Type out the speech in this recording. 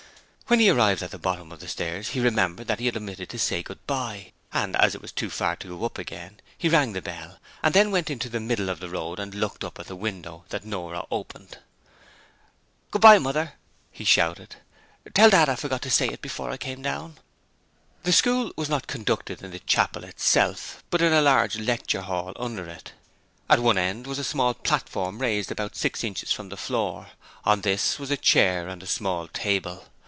When he arrived at the bottom of the stairs he remembered that he had omitted to say goodbye, and as it was too far to go up again he rang the bell and then went into the middle of the road and looked up at the window that Nora opened. 'Goodbye, Mother,' he shouted. 'Tell Dad I forgot to say it before I came down.' The School was not conducted in the chapel itself, but in a large lecture hall under it. At one end was a small platform raised about six inches from the floor; on this was a chair and a small table.